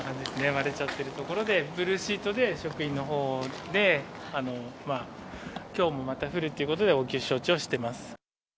割れちゃってるところで、ブルーシートで、職員のほうで、きょうもまた降るってことで、応急処置をしてます。